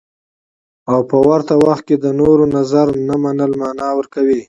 او په ورته وخت کې د نورو نظر نه منل مانا ورکوي.